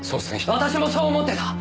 私もそう思ってた。